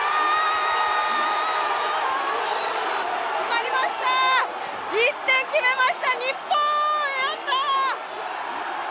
決まりました、１点決めました、日本、やったー！